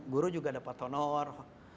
guru juga dapat honor